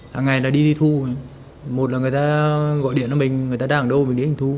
hàng ngày là đi đi thu một là người ta gọi điện cho mình người ta đang ở đâu mình đến anh thu